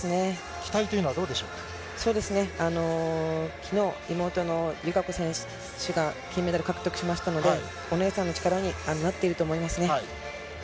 期待というのはどうでしょうきのう、妹の友香子選手が金メダル獲得しましたので、お姉さんの力になっていると思いますね。